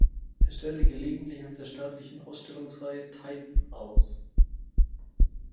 Er stellte gelegentlich auf der staatliche Ausstellungsreihe „Teiten“ aus.